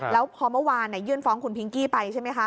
แล้วพอเมื่อวานยื่นฟ้องคุณพิงกี้ไปใช่ไหมคะ